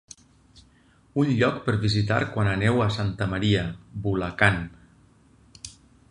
Un lloc per visitar quan aneu a Santa Maria, Bulacan.